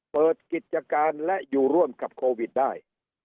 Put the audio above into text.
เปิดกิจการและอยู่ร่วมกับโควิดได้